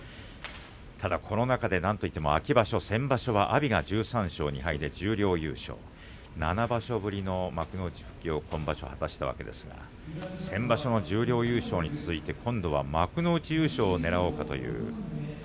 ただ、この中でなんといっても秋場所、先場所は阿炎が１３勝２敗で十両優勝７場所ぶりの幕内復帰を今場所果たしたわけですが先場所の十両優勝に続いて今度は幕内優勝をねらおうかという。